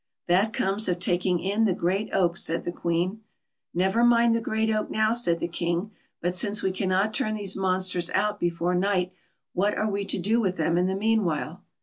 " That comes of taking in the great oak," said the Queen. " Never mind the great oak now," said the King ;" but since we cannot turn these monsters out before night, what are we to do with them in the meanwhile."